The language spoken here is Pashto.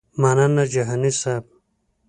مننه جهاني صیب.